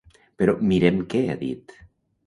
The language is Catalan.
Però mirem què ha dit.